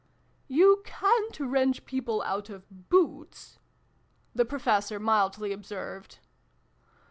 "You ca'n't wrench people out of boots" the Professor mildly observed.